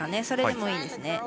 それでもいいですね。